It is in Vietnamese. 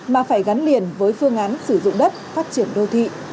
mà phải gắn liền với phương án sử dụng đất phát triển đô thị